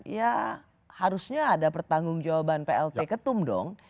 ya harusnya ada pertanggung jawaban plt ketum dong